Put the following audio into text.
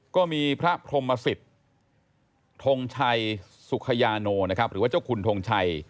ก็มีพระพรมศิษย์ทงชัยสุขยาโนนะครับหรือว่าเจ้าคุณทงชัย